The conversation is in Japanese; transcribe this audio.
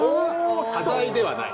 端材ではない。